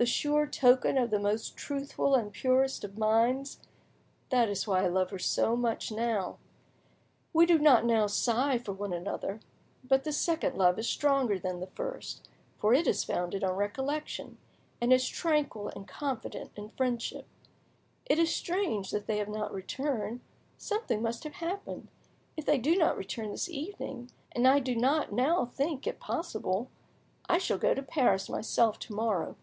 —the sure token of the most truthful and purest of minds! That is why I love her so much now; we do not now sigh for one another, but the second love is stronger than the first, for it is founded on recollection, and is tranquil and confident in friendship .... It is strange that they have not returned; something must have happened! If they do not return this evening, and I do not now think it possible, I shall go to Paris myself to morrow."